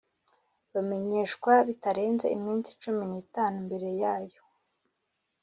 Bamenyeshwa bitarenze iminsi cumi n’itanu mbere yayo